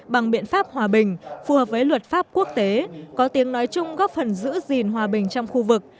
bằng biện pháp hòa bình phù hợp với luật pháp quốc tế có tiếng nói chung góp phần giữ gìn hòa bình trong khu vực